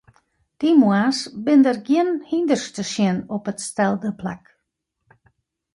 Dy moarns binne der gjin hynders te sjen op it stelde plak.